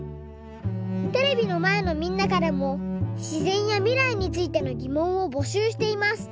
テレビのまえのみんなからもしぜんやみらいについてのぎもんをぼしゅうしています。